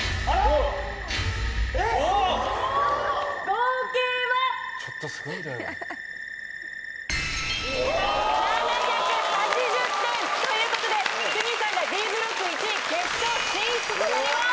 合計は？ということでスミさんがＤブロック１位。決勝進出となります。